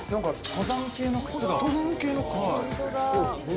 登山系の靴。